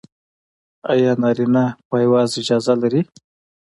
ایا نارینه پایواز اجازه لري؟